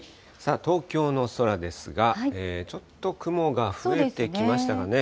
東京の空ですが、ちょっと雲が増えてきましたかね。